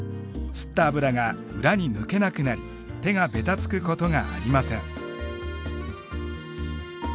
吸った脂が裏に抜けなくなり手がベタつくことがありません。